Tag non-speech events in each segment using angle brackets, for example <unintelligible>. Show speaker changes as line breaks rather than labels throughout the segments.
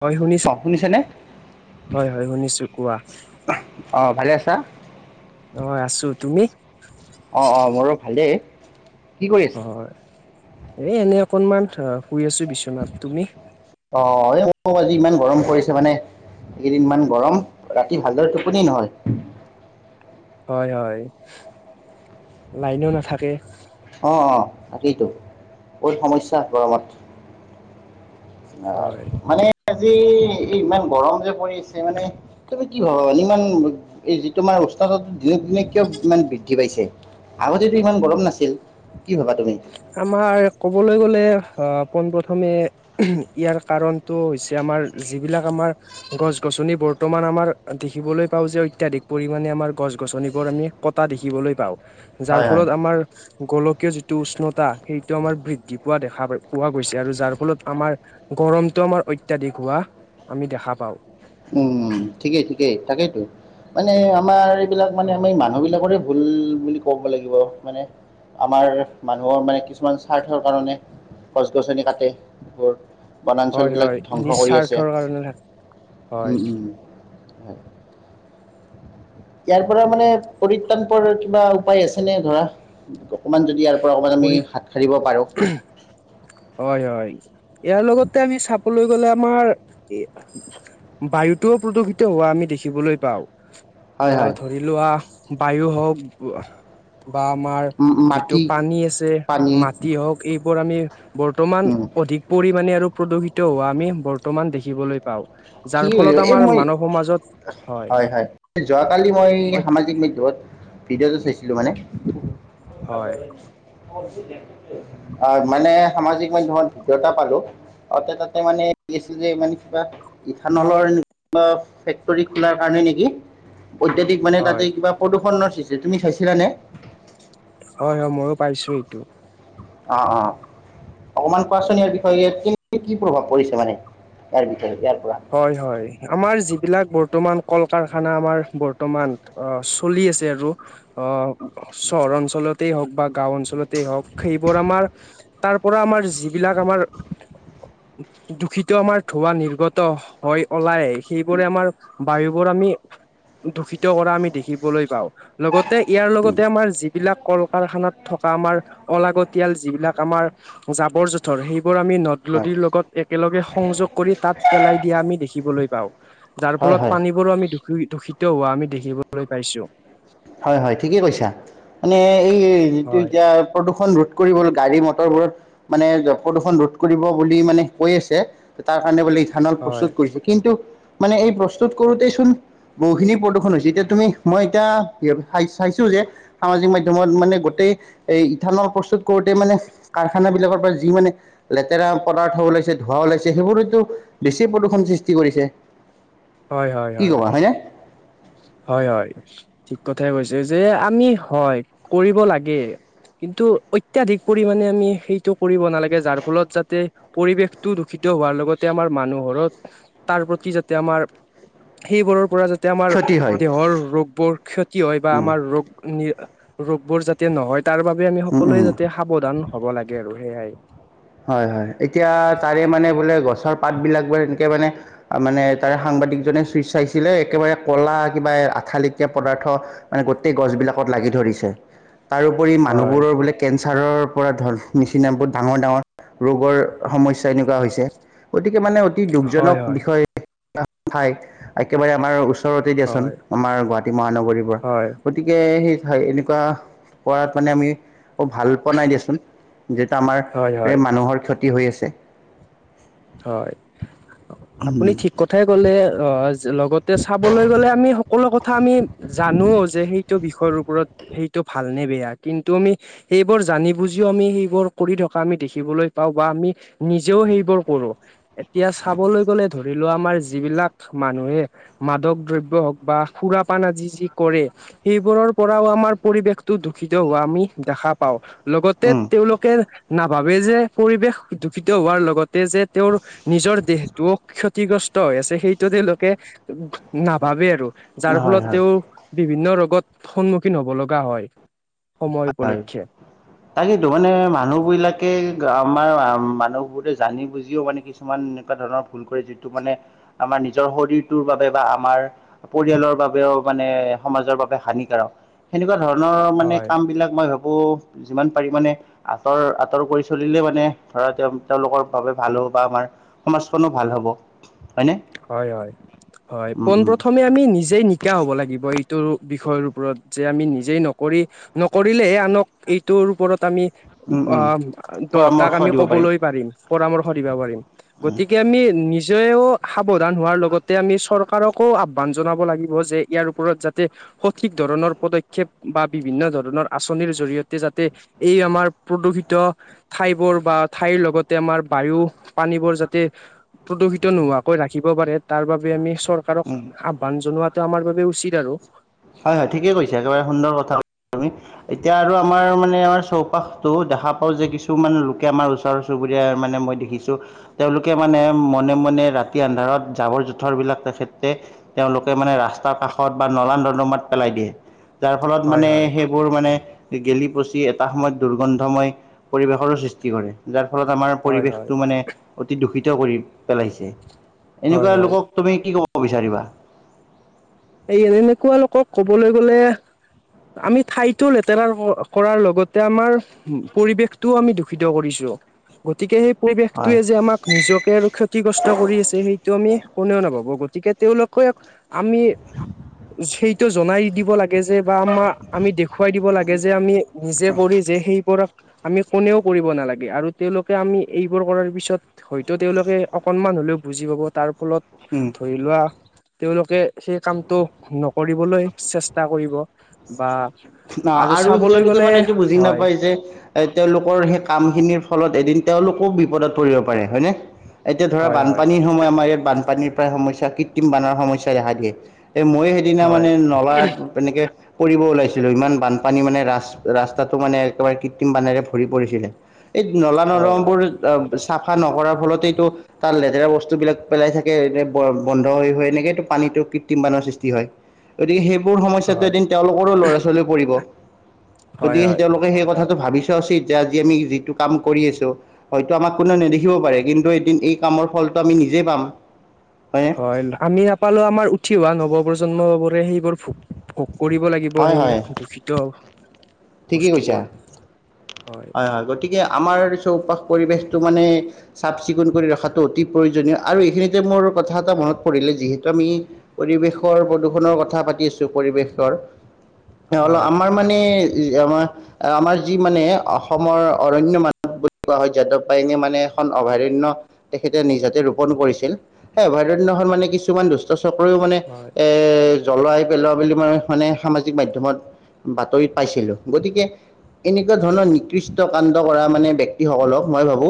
হয় শুনিছো
অ শুনিছেনে
হয়, হয় শুনিছো কোৱা।
অঁহ ভালে আছা।
হয় আছো তুমি।
অঁহ অঁহ মোৰো ভালেই কি কৰি, আছা
হয় এই এনে অকনমান শুই আছো বিছনাত তুমি।
অঁহ অঁহ এই কি কম আজি ইমান গৰম পৰিছে মানে, এইকেইদিন ইমান গৰম, ৰাতি ভালদৰে টোপনি নহয়।
হয়, হয় লাইনো নাথাকে।
অঁহ, অঁহ তাকেইতো, বহুত সমস্যা গৰমত। অহ
হয়
মানে আজি এই ইমান গৰম যে পৰিছে মানে। তুমি কি ভাবা মানে ইমান এই যিতো তোমাৰ উষ্ণতা দিনক দিনে কিয় ইমান বৃদ্ধি পাইছে? আগতেতো ইমান গৰম নাছিল কি ভাবা তুমি?
আমাৰ ক'বলৈ গ'লে অহ পোন প্ৰথমে, ইয়াৰ কাৰণটো হৈছে আমাৰ যিবিলাক আমাৰ, গছ গছনি বৰ্তমান আমাৰ দেখিবলৈ পাওঁ যে অত্যাধিক পৰিমাণে আমাৰ গছ গছনিবোৰ আমি, কটা দেখিবলৈ পাওঁ যাৰ
হয় হয়
ফলত আমাৰ গোলকীয়, যিটো উষ্ণতা সেইটো আমাৰ বৃদ্ধি পোৱা দেখা পোৱা গৈছে আৰু যাৰ ফলত আমাৰ, গৰমটো আমাৰ অত্যাধিক হোৱা আমি দেখা পাওঁ।
উম ঠিকেই ঠিকেই তাকেইতো মানে আমাৰ এইবিলাক মানে আমি
হয়
মানুহবিলাক, বিলাকৰে ভুল বুলি ক'ব লাগিব মানে আমাৰ মানুহৰ মানে কিছুমান স্বাৰ্থৰ কাৰণে গছ গছনি কাটে এইবোৰ, বনাঞ্চল
হয়
বিলাক
হয়
ধ্বংস কৰি আছে।
নিস্বাৰ্থৰ কাৰণে হয়।
উম উম হয় ইয়াৰ পৰা মানে পৰিত্ৰান পোৱাৰ কিবা উপায় আছে নে ধৰা অকমান যদি ইয়াৰ, পৰা অকণমান আমি
পৰি
হাত সাৰিব পাৰোঁ।
হয় হয় ইয়াৰ লগতে আমি চাবলৈ গ'লে আমাৰ ই, বায়ুতোও প্ৰদূষিত হোৱা আমি দেখিবলৈ পাওঁ
হয়
অহ
হয়
ধৰি লোৱা বায়ু হওঁক বা আমাৰ
উম,
যিটো
মাটি
পানী আছে
পানী
মাটি হওঁক এইবোৰ আমি বৰ্তমান
উম
অধিক পৰিমাণে আৰু প্ৰদূষিত হোৱা আমি বৰ্তমান দেখিবলৈ পাওঁ যাৰ
খিনি হৈ
ফলত
যাব এই
আমাৰ
মই
মানৱ সমাজত
হয় হয় যোৱাকালি মই
হয়
সামাজিক ইউটিউবত ভিডিঅ'টো চাইছিলো মানে
হয়
অহ মানে সামাজিক মাধ্যমত ভিডিঅ এটা দেখা পালোঁ অতে তাতে মানে কি আছিল যে মানে কিবা ইথান'লৰ ফেক্টৰী খোলাৰ কাৰণে নেকি অত্যাধিক মানে
হয়
তাতে কিবা প্ৰদূষণৰ সূষ্টি তুমি চাইছিলা নে
হয় হয় মইয়ো পাইছো এইটো।
অহ অহ অকমান কোৱাচোন ইয়াৰ বিষয়ে ইয়াত কি কি কি প্ৰভাৱ পৰিছে মানে ইয়াৰ ভিতৰত ইয়াৰ পৰা
হয় হয় আমাৰ যিবিলাক বৰ্তমান কল কাৰখানা আমাৰ বৰ্তমান অহ চলি আছে আৰু অহ চহৰ অঞ্চলতেই হওঁক বা গাঁও অঞ্চলতেই হওঁক সেইবোৰ আমাৰ তাৰ পৰা আমাৰ যিবিলাক আমাৰ দূষিত আমাৰ ধোঁৱা নিৰ্গত মুক্ত হৈ ওলাই সেইবোৰে আমাৰ বায়ু বোৰ আমি দূষিত কৰা আমি দেখিবলৈ পাওঁ লগতে ইয়াৰ লগতে আমাৰ যিবিলাক কল কাৰখানাত থকা আমাৰ অলাগতীয়াল যিবিলাক আমাৰ জাবৰ জো ধৰ সেইবোৰ আমি নদ
হয়
নদী লগত একেলগে সংযোগ কৰি তাত পেলাই দিয়া আমি দেখি দেখিবলৈ পাওঁ যাৰ
হয়
ফলত
হয়
পানীবোৰো আমি দূষি দূষিত হোৱা আমি দেখিবলৈ পাইছো
হয় হয় ঠিকেই কৈছা মানে এই যিটো
হয়
এতিয়া প্ৰদূষণ ৰোধ ৰোধ কৰিব গাড়ী মটৰ বোৰত মানে প্ৰদূষণ ৰোধ কৰিব বুলি মানে কৈ আছে তাৰ কাৰণে বোলে ইথানল
হয়
প্ৰস্তুত কৰিছে। কিন্তু মানে এই প্ৰস্তুত কৰোতেই চোন বহুখিনি প্ৰদূষন হৈছে এতিয়া তুমি মই এতিয়া। চাইছো যে সামাজিক মাধ্যয়মত মানে গোটেই এই ইথানৰ প্ৰস্তুত কৰোতে মানে। কাৰখানা বিলাকৰ পৰা যি মানে। লেতেৰা পদাৰ্থ ওলাইছে ধোঁৱ ওলাইছে সেইবোৰতো বেছি প্ৰদূষণ সৃষ্টি কৰিছে।
হয় হয়
কি
হয়।
ক'বা হয়নে
হয় হয় ঠিক কথাই কৈছে যে আমি হয় কৰিব লাগে। কিন্তু অত্যাধিক পৰিমাণে আমি সেইটো কৰিব নালাগে যাৰ ফলত যাতে। পৰিৱেশটো দূষিত হোৱাৰ লগতে আমাৰ মানুহৰত তাৰ প্ৰতি যাতে আমাৰ। সেইবোৰৰ পৰা যাতে আমাৰ
ক্ষতি হয়
দেহৰ ৰোগবোৰ ক্ষতি হয় বা
উম,
আমাৰ। ৰোগ ৰোগবোৰ যাতে নহয় তাৰ বাবে আমি
উম, উম।
সকলোৱে যাতে। সাৱধান হ'ব লাগে আৰু সেয়াই।
হয় হয় এতিয়া তাৰে মানে বোলে গছৰ পাত বিলাক বো এনেকে মানে। মানে তাৰে সাংবাদিকজনে চুই চাইছিলে একেবাৰে ক'লা কিবা আঠালেকীয়া পদাৰ্থ। মানে গোটেই গছ বিলাকত লাগি ধৰিছে। তাৰওপৰি
হয়
মানুহবোৰৰ বোলে কেঞ্চাৰৰ পৰা ধৰ নিচিনাবোৰ ডাঙৰ ডাঙৰ। ৰোগৰ সমস্যা এনেকুৱা হৈছে গতিকে মানে অতি
হয়
দুখজনক বিষয়। হয় একেবাৰে আমাৰ ওচৰ, ওচৰতে দিয়াচোন
হয় হয়
আমাৰ গুৱাহাটী মহানগৰীৰ পৰা
হয়
গতিকে সেই এনেকুৱা। কৰাত মানে আমি ভাল পোৱা নাই দিয়াচোন যিহেতু আমাৰ।
হয়
ৰে
হয়
মানুহৰ ক্ষতি হৈ আছে।
হয় আপুনি ঠিক কথাই কলে অ, লগতে চাবলৈ গ'লে আমি সকলো কথা আমি জানো যে, সেইটো বিষয়ৰ ওপৰত, সেই টো ভালনে, বেয়া, কিন্তু আমি সেইবোৰ জানি বুজিও আমি সেইবোৰ কৰি থকা আমি দেখিবলৈ পাওঁ, বা আমি নিজেও সেইবোৰ পৰো, এতিয়া চাবলৈ গ'লে ধৰি লোৱা, আমাৰ যিবিলাক মানুহে মাদক দ্ৰব্য হওঁক বা সুৰাপান আজি যি কৰে। সেইবোৰৰ পৰাও আমাৰ পৰিৱেশটো দূষিত হোৱা আমি দেখা পাওঁ, লগতে
উম
তেওঁলোকে নাভাবে যে, পৰিৱেশ দূষিত হোৱাৰ লগত তে যে তেওঁৰ নিজৰ দেহটোও ক্ষতিগ্ৰচ। ত হৈ আছে, সেইটো তেওঁলোকে নাভাবে আৰু, যাৰ
হয়
ফলত
হয়
তেওঁ বিভিন্ন ৰোগত সন্মুখীন হ'ব লগা হয়। সময় উপলক্ষে
<unintelligible> তাকেইটো মানে মানুহবিলাকে আমাৰ মানুহবোৰে জানি বুজিও মানে কি কিছুমান এনেকুৱা ধৰণৰ ভুল কৰে, যিটো মানে আমাৰ নিজৰ শৰীৰটোৰ বাবে বা আমাৰ। পৰিয়ালৰ বাবেও মানে সমাজৰ বাবে হানিকাৰক, সেনেকুৱা ধৰণৰ মানে।
হয়
বিলাক মই ভাবোঁ, যিমান পাৰি মানে। আঁতৰ, আঁতৰ কৰি চলিলে মানে, ধৰা তেওঁ তেওঁলোকৰ বাবে ভাল হ'ব বা আমাৰ। সমাজখনো ভাল হ'ব। হয়নে?
হয়, হয়, হয়,
উম
পোন
উম
প্ৰথমে আমি নিজে নি শিক্ষা হ'ব লাগিব এইটো বিষয়ৰ ওপৰত, যে আমি নিজেই নকৰি। নকৰিলে আনক এইটোৰ ওপৰত আমি।
উম উম
অ' দহটাক
পৰামৰ্শ
আমি
দিব
কবলৈ পাৰিম, পৰামৰ্শ দিবা পাৰিম। গতিকে আমি নিজেও সাৱধান হোৱাৰ লগতে, আমি চৰ কাৰকো আহ্বান জনাব লাগিব যে, ইয়াৰ ওপৰত যাতে। সঠিক ধৰণৰ পদক্ষেপ, বা বিভিন্ন ধৰণৰ আঁচনিৰ জৰিয়তে যাতে। এই আমাৰ প্ৰদূষিত। ঠাইবোৰ বা ঠাইৰ লগতে আমাৰ বায়ু পানীবোৰ যাতে, প্ৰদূষিত নোহোৱা। কৈ ৰাখিব পাৰে, তাৰ বাবে আমি
উম
চৰকাৰক আহ্বান জনোৱাটো আমাৰ বাবে উচিত আৰু।
হয়, হয়, ঠিকে কৈছা, একেবাৰে সুন্দৰ কথা তুমি। এতিয়া আৰু আমাৰ মানে আমাৰ চৌপাশতো, দেখা পাওঁ যে, কিছুমান লোকে আমাৰ ওচ ওচৰ চুবুৰীয়া মানে মই দেখিছোঁ। তেওঁলোকে মানে, মনে, মনে ৰাতি আন্ধাৰত জাবৰ- জোথৰ বিলাক তেখেতে তেওঁলোকে মানে ৰাস্তাৰ কাষত বা নলা নৰ্দমাত পেলাই দিয়ে। যাৰ ফলত
হয়
মানে
হয়
সেই বোৰ মানে গেলি পচি এটা সময়ত দুৰ্গন্ধময় পৰিৱেশৰো সৃষ্টি কৰে। যাৰ ফলত আমাৰ
হয় হয়
পৰিৱেশটো মানে, অতি দূষিত কৰি পেলাইছে।
হয়
এনেকুৱা
হয়
লোকক তুমি কি ক'ব বিচাৰিবা?
এই এনেকুৱা লোকক কবলৈ গ'লে। আমি ঠাইতো লেতেৰা কৰাৰ লগতে আমাৰ। পৰিৱেশটো আমি দূষিত কৰিছো। গতিকে সেই
হয়
পৰিৱেশটোৱে যে আমাক। নিজকে আৰু ক্ষতিগ্ৰস্ত কৰি আছে, সেইটো আমি কোনেও নাভাবো। গতিকে তেওঁলোকে আমি।
<unintelligible>
সেইটো জনাই দিব লাগ কে যে বা আমা, আমি দেখুৱাই দিব লাগে যে, আমি নিজে কৰি যে সেইপৰা আমি কোনেও কৰিব নালাগে। আৰু তেওঁলোকে আমি এইবোৰ কৰাৰ পিছত। হয়তো তেওঁলোকে অকনমান হ'লেও বুজি পাব, তাৰ ফলত
উম।
ধৰি লোৱা তেওঁলোকে সেই কামটো নকৰিবলৈ চেষ্টা কৰিব বা
অ'
আৰু চাবলৈ
তেওঁলোকে
গলে
মানে এইটো বুজি
হয়
নাপায় যে তেওঁলোকৰ সেই কাম খিনিৰ ফলত এদিন তেওঁলোকো বিপদত পৰিব পাৰে হয়নে এতিয়া ধৰা
হয় হয়
বানপানী সময় আমাৰ ইয়াত বানপানীৰ পৰা সমস্যা কৃত্ৰিম বানৰ সমস্যা দেখা দিয়ে এই মই সেইদিনা
হয়
মানে নলাত এনেকে পৰিব ওলাইছি লো, ইমান বানপানী মানে ৰা ৰাস্তাটো মানে একেবাৰে কৃত্ৰিম বানেৰে ভৰি পৰিছিলে এই নলা
হয় হয়
নৰমবোৰ চাফা নকৰাৰ ফলতেইটো তাত লেতেৰা বস্তুবিলাক পেলাই থাকে এনে বন্ধ হৈ হৈ এনেকেইটো পানীটো কৃত্ৰিম পানৰ সৃষ্টি হয় গতিকে সেইবোৰ সমস্যাটো
হয়
এদিন তেওঁলোকৰো ল'ৰা ছোৱালী পৰিব
হয়
গতিকে
হয়
তেওঁলোক সেই কথাটো ভাবিচোৱা উচিত, যে আজি আমি যিটো কাম কৰি আছো হয়তো আমাক কোনেও নেদেখিব পাৰে কিন্তু এদিন এই কামৰ ফলটো আমি নিজে পাম হয়নে?
হয় আমি নাপালো আমাৰ উঠি অহা নৱপ্ৰজন্মাবোৰে সেইবোৰ ভো ভোগ কৰিব লাগিব
হয় হয়
সেই দূষিত
ঠিকেই কৈছা।
বস্তুবোৰ হয়
গতিকে আমাৰ চৌপাশ পৰিৱেশটো মানে চাফ চিকুণ কৰি ৰখাটো অতি প্ৰয়োজনীয় আৰু এইখিনিতে মোৰ কথা এটা মনত পৰিলে যিহেতু আমি পৰিৱেশৰ প্ৰদূষণৰ কথা পাতি আছো পৰিৱেশৰ অল
হয়
আমাৰ মানে আমাৰ আমাৰ যি মানে অসমৰ অৰণ্য মানু বুলি কোৱা হয়, যাদৱ পায়েঙে মানে এখন অভয়াৰণ্য তেখেতে নিজাতে ৰোপন কৰিছিল সেই অভয়াৰণ্যখন মানে কিছুমান দুষ্ট চক্ৰইও মানে
হয়
এ এ জ্বলোৱাই পেলোৱা বুলি মই মানে সামাজিক মাধ্যমত বাতৰিত পাইছিলো গতিকে এনেকুৱা ধৰণৰ নিকৃষ্ট কাণ্ড কৰা মানে ব্যক্তি সকলক মই ভাবো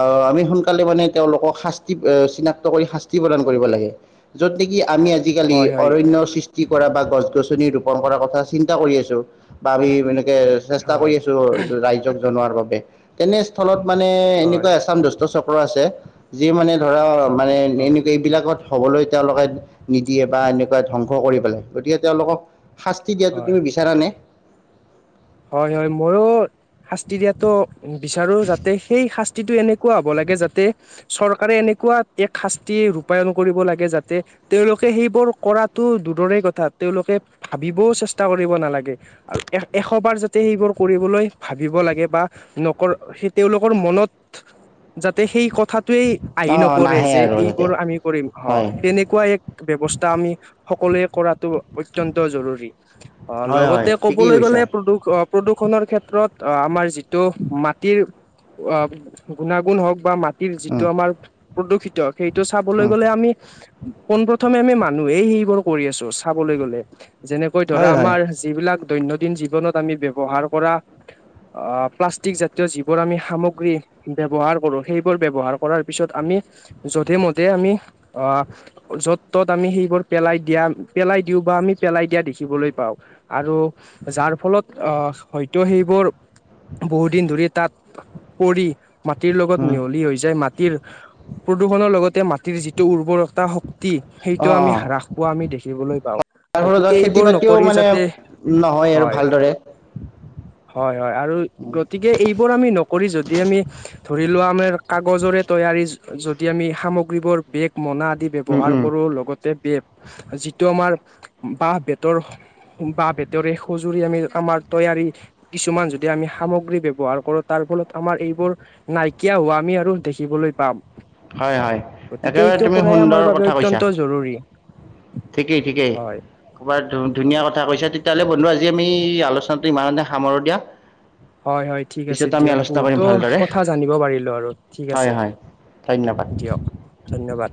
আহ আমি সোনকালে মানে তেওঁলোকক শাস্তি চিনাক্ত কৰি শাস্তি প্ৰদান কৰিব লাগে য'ত নেকি আমি আজিকালি
হয় হয়
অৰণ্য সৃ ষ্টি কৰা বা গছ গছনি ৰুপন কৰা কথা চিন্তা কৰি আছো বা আমি এনেকে চেষ্টা কৰি
হয়
আছো ৰাইজক জনোৱাৰ বাবে তেনেস্থলত মানে
হয়
এনেকুৱা এছাম দ স্ট চক্ৰ আছে, যিয়ে মানে ধৰা মানে
হয়
এনেকুৱা এইবিলাকত হ'বলৈ তেওঁলোকে নিদিয়ে বা এনেকুৱা ধ্বংস কৰি পেলাই গতিকে তেওঁলোকক শাস্তি দিয়াটো
হয়
তুমি বিচাৰানে
হয় হয়, মইয়ো শাস্তি দিয়াতো বিচাৰো যাতে সেই শাস্তিটো এনে কুৱা হ'ব লাগে যাতে চৰকাৰে এনেকুৱা এক শাস্তি ৰূপায়ন কৰিব লাগে যাতে তেওঁলোকে সেইবোৰ কৰাটো দূৰৰে কথা তেওঁলোকে ভাবিবও চেষ্টা কৰিব নালাগে আৰু এ এশ শ বাৰ যাতে সেইবোৰ কৰিবলৈ ভাবিব লাগে বা নকৰ সেই তেওঁলোকৰ মনত যাতে সেই কথাত টোৱেই আহি
অ অ
নপৰে
নাহে
যে
আৰু যাতে
এইবোৰ আমি কৰিম
হয়
তেনেকুৱা এক ব্যৱস্থা আমি সকলোৱে কৰাটো অত্যন্ত জৰুৰী আ
হয় হয়
লগতে
ঠিকেই
কবলৈ
কৈছা
গলে প্ৰদূষ অ প্ৰদূষণৰ ক্ষেত্ৰত অ আমাৰ যিটো মাটিৰ অ গুণাগুণ হওক বা মাটিৰ
উম
যিটো আমাৰ প্ৰদূষিত সেইটো চাবলৈ
উম
গ'লে আমি পোন প্ৰথমে আমি মানুহেই সেইবোৰ কৰি আছো চাবলৈ গলে যেনেকৈ
হয়
ধৰা
হয়
আমাৰ যিবিলাক দৈনন্দিন জীৱনত আমি ব্যৱহাৰ কৰা প্লাষ্টিক জাতীয় যিবোৰ আমি সামগ্ৰী ব্যৱহাৰ কৰোঁ। সেইবোৰ ব্যৱহাৰ কৰাৰ পিছত আমি যধে-মধে আমি আ য'ত-ত'ত আমি সেইবোৰ পেলাই দিয়া, পেলাই দিওঁ বা আমি পেলাই দিয়া দেখিবলৈ পাওঁ। আৰু যাৰ ফলত আ হয়তো সেইবোৰ বহুতদিন ধৰি তাত পৰি মাটিৰ লগত
উম
মিহলি হৈ যায় মাটিৰ প্ৰদূষণৰ লগতে মাটিৰ যিটো উৰ্বৰতা শক্তি
অ
সেইটো
অ
আমি হ্ৰাস পোৱা আমি দেখিবলৈ পাওঁ।
তাৰ ফলত ধৰা
গতিকে এইবোৰ
খেতি-বাতিও
নকৰি
মানে
যাতে
নহয় আৰু
হয়
ভালদৰে
হয় হয় আৰু গতিকে এইবোৰ আমি নকৰি যদি আমি ধৰি লোৱা আমাৰ কাগজৰে তৈয়াৰী যদি আমি সামগ্ৰীবোৰ বেগ, মনা আদি
উম
ব্যৱহাৰ
উম
কৰোঁ লগতে বেগ যিটো আমাৰ বাঁহ-বেতৰ, বাঁহ-বেতৰে সজুৰি আমি আমাৰ তৈয়াৰী কিছুমান যদি আমি সামগ্ৰী ব্যৱহাৰ কৰো তাৰ ফলত আমাৰ এইবোৰ নাইকিয়া হোৱা আমি আৰু দেখিবলৈ পাম।
হয় হয়
গতিকে
একেবাৰে
এইটো
তুমি
কৰাই
সুন্দৰ
আমাৰ বাবে
কথা কৈছা
অত্যন্ত জৰুৰী।
ঠিকেই ঠিকেই
হয়
কবাত ধুনীয়া
হয়
কথা কৈছে তেতিয়াহ'লে বন্ধু আজি আমি আলোচনাটো ইমানতে সামৰো দিয়া
হয় হয় ঠিক আছে
পিছত আমি
দিয়ক।
আলোচনা কৰিম
বহুতো
ভালদৰে
কথা জানিব পাৰিলো আৰু ঠিক
হয়
আছে
হয় ধন্যবাদ।
দিয়ক ধন্যবাদ।